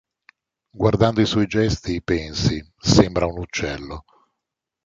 Guardando i suoi gesti pensi: 'Sembra un uccello.